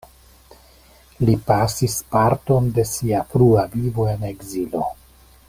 Li pasis parton de sia frua vivo en ekzilo.